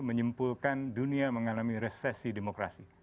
menyimpulkan dunia mengalami resesi demokrasi